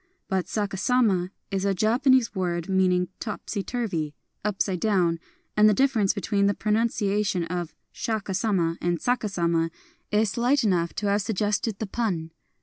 But saha sama is a Japanese word meaning " topsy turvy," " upside down ;" and the dif ference between the pronunciation of Shaka Sama and saka sama is slight enough to have suggested the pun.